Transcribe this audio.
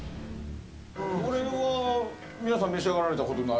これは皆さん召し上がられたことない？